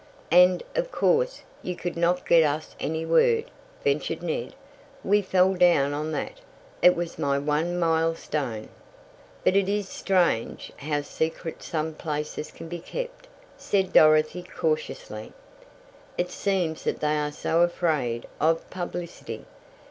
"And, of course, you could not get us any word," ventured Ned. "We fell down on that it was my one mile stone." "But it is strange how secret some places can be kept," said Dorothy, cautiously. "It seems that they are so afraid of publicity.